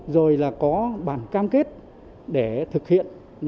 rồi là có bản cam kết để thực hiện